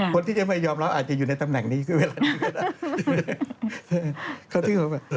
คนที่จะไม่ยอมรับอาจจะอยู่ในตำแหน่งนี้คือเวลานี้ก็ได้